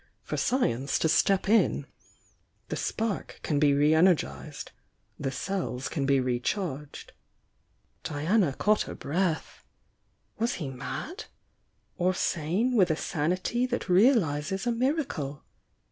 — for science to step in. The spark can be re energised, — the cells can be re charged." Diana caught her breath. Was he mad? — or sane with a sanity that realises a miracle?